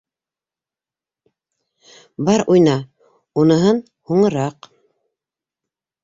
Бар, уйна, уныһын - һуңыраҡ.